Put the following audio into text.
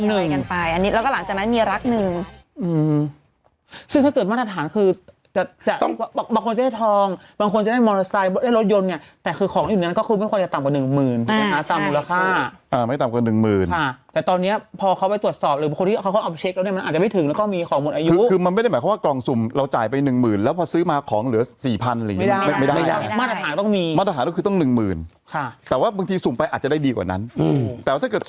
หน่อยกันไปอันนี้แล้วก็หลังจากนั้นมีรักหนึ่งอืมซึ่งถ้าเกิดมาตรฐานคือจะจะต้องบางคนจะได้ทองบางคนจะได้มอเตอร์สไตล์ได้รถยนต์เนี้ยแต่คือของอยู่ดังนั้นก็คือไม่ควรจะต่ำกว่าหนึ่งหมื่นใช่ไหมคะตามรูปค่าอ่าไม่ต่ำกว่าหนึ่งหมื่นค่ะแต่ตอนเนี้ยพอเขาไปตรวจสอบหรือคนที่เขาเขาเอาไปเช็คแล้วเนี้